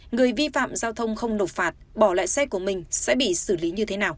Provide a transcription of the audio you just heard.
người vi phạm giao thông không nộp phạt bỏ lại xe của mình sẽ bị xử lý như thế nào